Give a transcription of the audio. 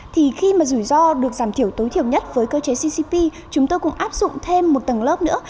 thì khi mà rủi ro được giảm thiểu tối thiểu nhất với cơ chế ccp chúng tôi cũng áp dụng thêm một tầng lớp nữa